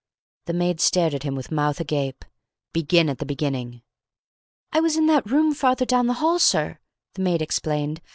The maid stared at him with mouth agape. "Begin at the beginning." "I was in that room, farther down the hall, sir," the maid explained.